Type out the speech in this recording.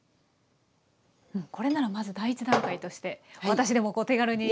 これならまず第一段階として私でもこう手軽に。